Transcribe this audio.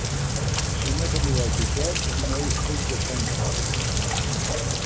Si no teniu el tiquet, no us puc deixar entrar.